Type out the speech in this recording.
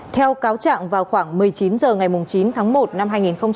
theo cáo trạng vào khoảng một mươi chín h ngày chín tháng một năm hai nghìn hai mươi